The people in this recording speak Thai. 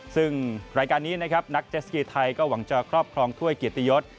ซึ่งรายการนี้นะครับนักเจสกีไทยก็หวังจะครอบครองถ้วยเกียรติยศ